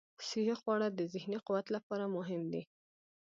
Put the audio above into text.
صحي خواړه د ذهني قوت لپاره مهم دي.